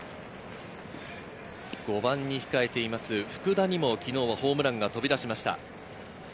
５番に控えている福田にも昨日ホームランが飛び出しました。